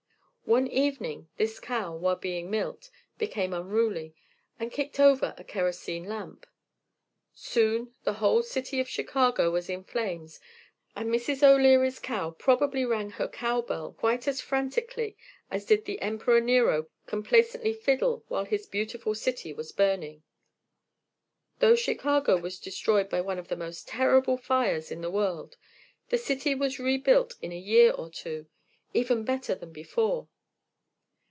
One evening this cow, while being milked, became unruly, and kicked over a kerosene lamp. Soon the whole city of Chicago was in flames and Mrs. O'Leary's cow probably rang her cowbell quite as frantically as did the Emperor Nero complacently fiddle while his beautiful city was burning. Though Chicago was destroyed by one of the most terrible fires in the world, the city was rebuilt in a year or two, even better than before.